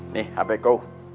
nih hp kau